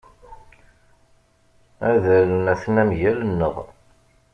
Adalen aten-a mgal-nneɣ.